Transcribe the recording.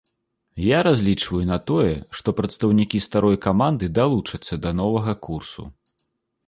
Я разлічваю на тое, што прадстаўнікі старой каманды далучацца да новага курсу.